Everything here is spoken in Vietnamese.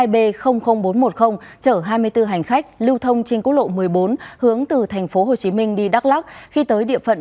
tám mươi hai b bốn trăm một mươi chở hai mươi bốn hành khách lưu thông trên cú lộ một mươi bốn hướng từ thành phố hồ chí minh đi đắk lắc khi tới địa phận